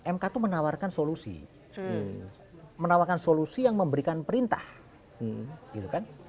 mk itu menawarkan solusi menawarkan solusi yang memberikan perintah gitu kan